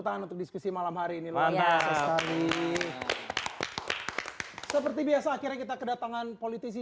tangan untuk diskusi malam hari ini mantap sekali seperti biasa akhirnya kita kedatangan politisi